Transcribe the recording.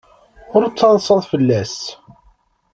Ur ttaḍsat fell-as.